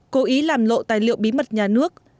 cố ý làm lộ tài liệu bí mật nhà nước